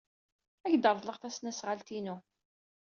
Ad ak-reḍleɣ tasnasɣalt-inu.